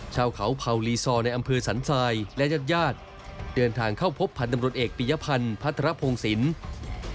ชาวเขาเผาลีซอร์ในอำเภอสันทรายและญาติญาติเดินทางเข้าพบพันธ์ตำรวจเอกปียพันธ์พัทรพงศิลป์